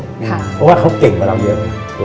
เพราะว่าเขาเก่งกำลังเดียว